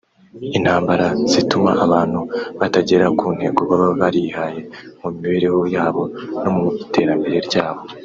Intambara zituma abantu batagera ku ntego baba barihaye mu mibereho yabo no mu iterambere ryabo